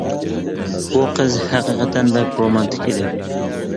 بۇ قىز ھەقىقەتەن بەك رومانتىك ئىدى.